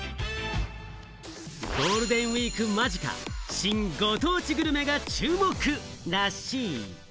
ゴールデンウイーク間近、新ご当地グルメが注目らしい！